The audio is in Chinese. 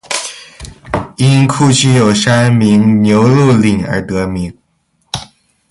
因库区有山名牛路岭而得名。